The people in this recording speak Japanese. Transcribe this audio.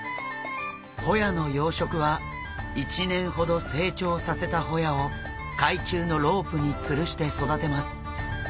ホヤの養殖は１年ほど成長させたホヤを海中のロープにつるして育てます。